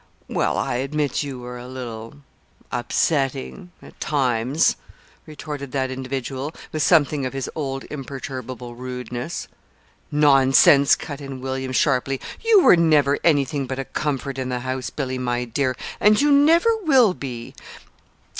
"Well, I admit you were a little upsetting, at times," retorted that individual, with something of his old imperturbable rudeness. "Nonsense!" cut in William, sharply. "You were never anything but a comfort in the house, Billy, my dear and you never will be."